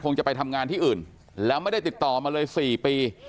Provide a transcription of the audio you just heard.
จะไปทำงานที่อื่นแล้วไม่ได้ติดต่อมาเลย๔ปี